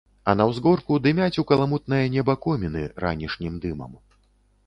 А на ўзгорку дымяць у каламутнае неба коміны ранішнім дымам.